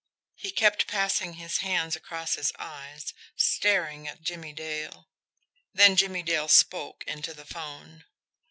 He kept passing his hands across his eyes, staring at Jimmie Dale. Then Jimmie Dale spoke into the 'phone.